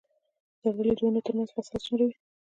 د زردالو د ونو ترمنځ فاصله څومره وي؟